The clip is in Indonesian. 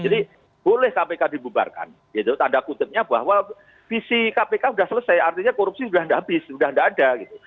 jadi boleh kpk dibubarkan gitu tanda kutipnya bahwa visi kpk sudah selesai artinya korupsi sudah tidak habis sudah tidak ada gitu